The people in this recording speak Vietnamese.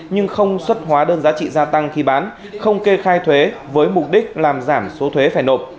nhưng không xuất hóa đơn giá trị gia tăng khi bán không kê khai thuế với mục đích làm giảm số thuế phải nộp